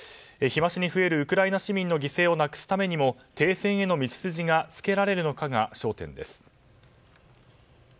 日増しに増えるウクライナ市民の犠牲をなくすためにも停戦への道筋がつけられるのかが焦点です。